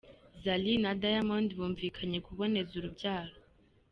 Zari na Diamond bumvikanye kuboneza urubyaro.